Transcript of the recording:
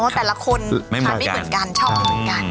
อ๋อแต่ละคนความที่เหมือนกันชอบเหมือนกัน